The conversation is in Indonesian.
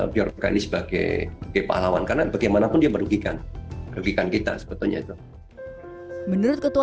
biarkan ini sebagai pahlawan karena bagaimanapun dia merugikan merugikan kita sebetulnya itu menurut ketua